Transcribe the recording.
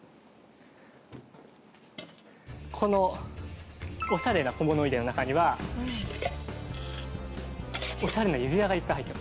このおしゃれな小物入れの中にはおしゃれな指輪がいっぱい入ってます。